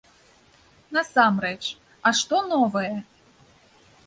Насамрэч, а што новае?